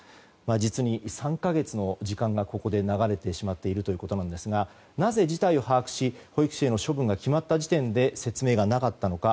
実に３か月の時間が、ここで流れてしまっているんですがなぜ事態を把握し保育士への処分が決まった時点で説明がなかったのか。